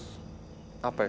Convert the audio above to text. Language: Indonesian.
karena itu sampai sekarang